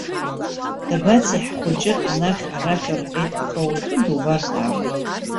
Дабацеи ҳхәыҷы, анахь-арахь рҳәеит, аха уаҵәы дубар даахә.